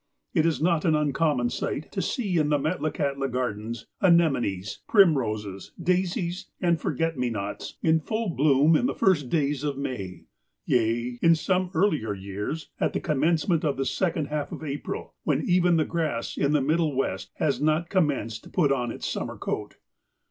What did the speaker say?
It is not an uncommon sight to see in the Metlakahtla gardens anemones, primroses, daisies, and forget me nots, in full bloom in the first days of May, yea, in some earlier years, at the commencement of the second half of April, when even the grass in the Middle West has not commenced to put on its summer coat.